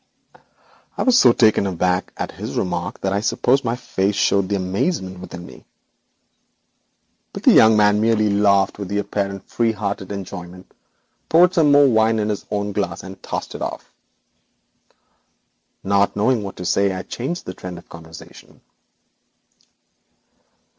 I was so taken aback by this remark that I suppose my face showed the amazement within me. But the young man merely laughed with apparently free hearted enjoyment, poured some wine into his own glass, and tossed it off. Not knowing what to say, I changed the current of conversation.